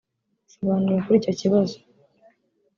isobanura kuri icyo kibazo